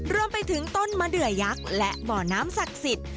รวมไปถึงต้นมะเดือยักษ์และบ่อน้ำศักดิ์สิทธิ์